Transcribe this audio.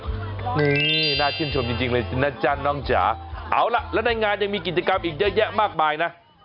นี่น่าชื่นชมจริงเลยนะจ๊ะน้องจ๋าเอาล่ะแล้วในงานยังมีกิจกรรมอีกเยอะแยะมากมายนะ